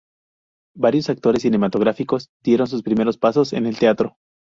Varios actores cinematográficos dieron sus primeros pasos en el teatro.